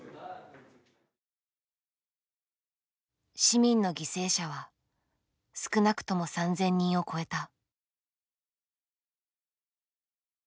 市民の犠牲者は少なくとも３，０００人を超えた。